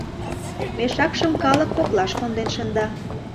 Мешакшым калык коклаш конден шында.